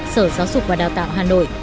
sở giáo dục và đào tạo hà nội